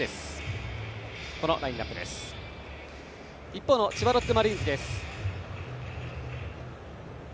一方の千葉ロッテマリーンズです。